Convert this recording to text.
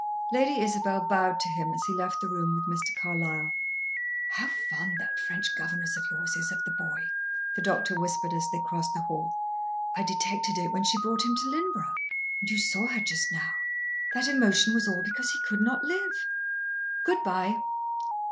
Lady Isabel bowed to him as he left the room with Mr. Carlyle. "How fond that French governess of yours is of the boy!" the doctor whispered, as they crossed the hall. "I detected it when she brought him to Lynneborough. And you saw her just now! That emotion was all because he could not live. Good bye."